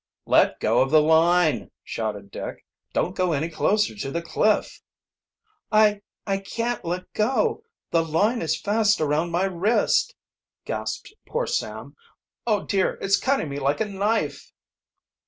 "Let go of the line!" shouted Dick. "Don't go any closer to the cliff!" "I I can't let go! The line is fast around my wrist!" gasped poor Sam. "Oh, dear, it's cutting me like a knife!"